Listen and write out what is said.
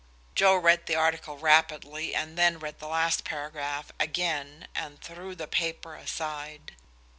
Joe read the article rapidly, and then read the last paragraph again and threw the paper aside.